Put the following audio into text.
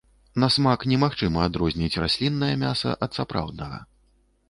На смак немагчыма адрозніць расліннае мяса ад сапраўднага.